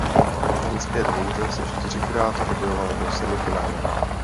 V ženské dvouhře se čtyřikrát probojovala do semifinále.